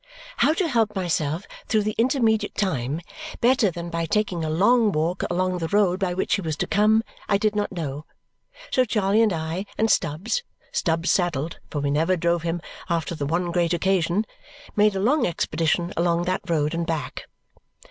How to help myself through the intermediate time better than by taking a long walk along the road by which she was to come, I did not know; so Charley and I and Stubbs Stubbs saddled, for we never drove him after the one great occasion made a long expedition along that road and back.